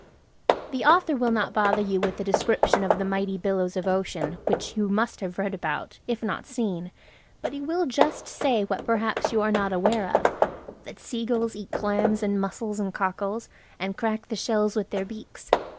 The author will not bother you with a description of the mighty billows of ocean, which you must have read about, if not seen, but he will just say what perhaps you are not aware of–that seagulls eat clams and mussels and cockles, and crack the shells with their beaks.